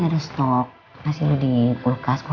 orang ini juga belum ikut askara